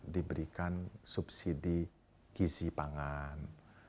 diberikan subsidi gizi pangan